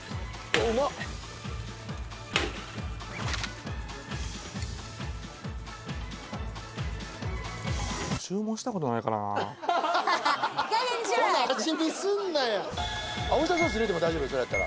オイスターソース入れても大丈夫それやったら。